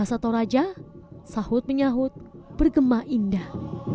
tulisan dan nyanyian sahu menyahut bergema indah